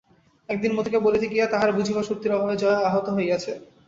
একদিন মতিকে বলিতে গিয়া তাহার বুঝিবার শক্তির অভাবে জয়া আহত হইয়াছে।